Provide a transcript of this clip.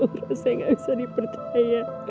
saya gak bisa dipercaya